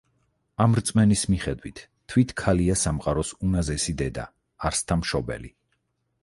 ამ რწმენის მიხედვით, თვით ქალია სამყაროს უზენაესი დედა, არსთა მშობელი.